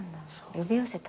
呼び寄せた。